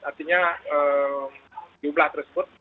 artinya jumlah tersebut